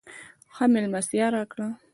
ښه مېلمستیا راکړه.